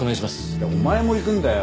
いやお前も行くんだよ！